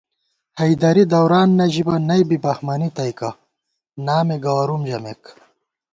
حیدَری دوران نہ ژِبہ نئ بی بہمَنی تئیکہ نامے گوَرُوم ژَمېک